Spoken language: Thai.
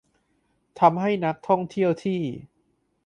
ทำให้นักท่องเที่ยวที่